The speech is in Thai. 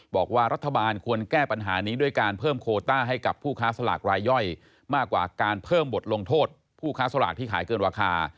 บอกว่ารัฐบาลควรแก้ปัญหานี้ด้วยการเพิ่มโคต้าให้กับผู้ค้าสลากรายย่อยมากกว่าการเพิ่มบทลงโทษผู้ค้าสลากที่ขายเกินราคา